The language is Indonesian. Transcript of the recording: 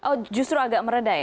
oh justru agak meredah ya